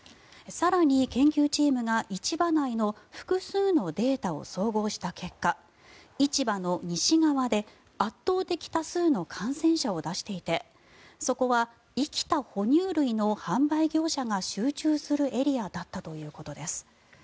更に、研究チームが市場内の複数のデータを総合した結果市場の西側で圧倒的多数の感染者を出していてそこは生きた哺乳類の販売業者が集中するエリアだったということです。